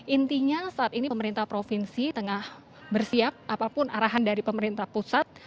intinya saat ini pemerintah provinsi tengah bersiap apapun arahan dari pemerintah pusat